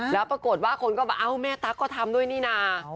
แล้วปรากฏว่าคนก็มาเอ้าแม่ตั๊กก็ทำด้วยนี่นะ